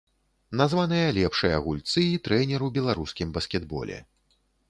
Названыя лепшыя гульцы і трэнер у беларускім баскетболе.